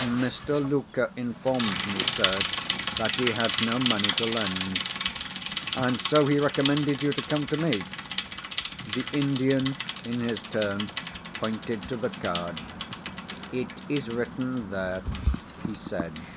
"Mr. Luker informed me, sir, that he had no money to lend." "And so he recommended you to come to me?" The Indian, in his turn, pointed to the card. "It is written there," he said.